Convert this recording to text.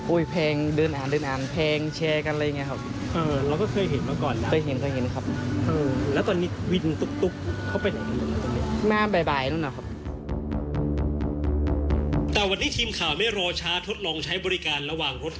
เพลงเดินอ่านเดินอ่านเพลงแชร์กันอะไรอย่างนี้ครับ